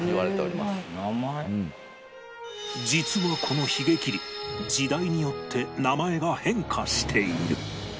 実はこの髭切時代によって名前が変化している